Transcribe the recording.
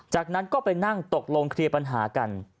จากนั้นก็ไปนั่งตกลงเคลียร์ปัญหากัน